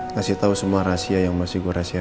ngasih tau semua rahasia yang masih gue rahasiakan